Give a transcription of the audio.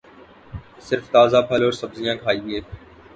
صرف تازہ پھل اور سبزیاں کھائیے